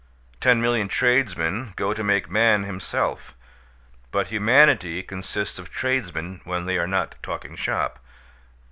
Ten million tradesmen go to make Man himself; but humanity consists of tradesmen when they are not talking shop.